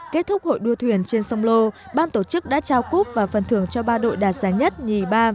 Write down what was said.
kết thúc hội đua thuyền trên sông lô ban tổ chức đã trao cúp và phần thưởng cho ba đội đạt giá nhất nhì ba